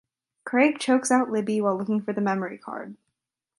Craig chokes out Libby while looking for the memory card.